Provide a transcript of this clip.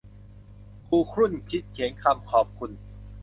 ครูครุ่นคิดเขียนคำขอบคุณ